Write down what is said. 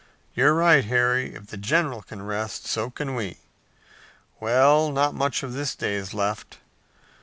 "You're right, Harry. If the general can rest, so can we. Well, not much of this day is left.